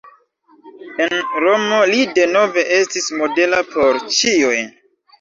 En Romo li denove estis modela por ĉiuj.